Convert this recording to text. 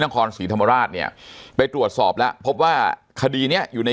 นครศรีธรรมราชเนี่ยไปตรวจสอบแล้วพบว่าคดีนะ